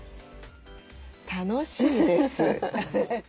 楽しいです。